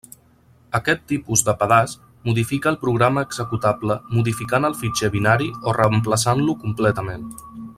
Aquest tipus de pedaç modifica el programa executable modificant el fitxer binari o reemplaçant-lo completament.